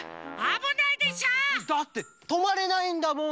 だってとまれないんだもん。